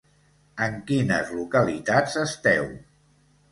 En quines localitats esteu?